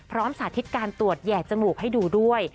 สาธิตการตรวจแห่จมูกให้ดูด้วย